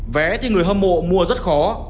vé thì người hâm mộ mua rất khó